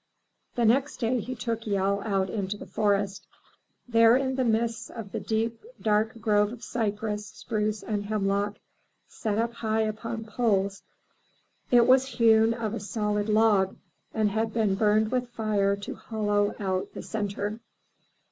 The next day he took Yehl out into the forest. There in the midst of a deep dark grove of cypress, spruce and hemlock, set up high upon poles, was a great canoe that Chet'l had been building. It was hewn of a solid log, and had been burned with fire to hollow out the center.